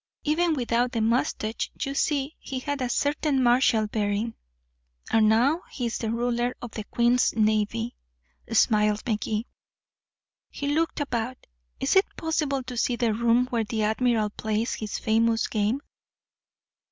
Even without the mustache, you see, he had a certain martial bearing." "And now he's the ruler of the queen's navee," smiled Magee. He looked about. "Is it possible to see the room where the admiral plays his famous game?"